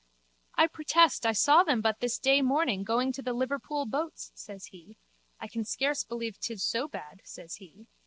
I protest I saw them but this day morning going to the Liverpool boats, says he. I can scarce believe 'tis so bad, says he.